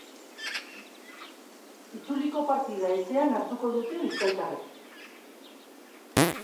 Itzuliko partida etxean hartuko dute bizkaitarrek.